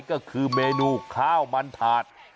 ก็คือเมนูข้าวมันถาด